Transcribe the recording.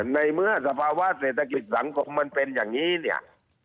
ในเมื่อสภาวะเศรษฐกิจสังคมมันเป็นอย่างนี้เนี่ย